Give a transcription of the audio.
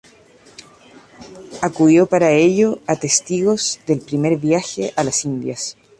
Acudió para ello a testigos del Primer Viaje a las Indias.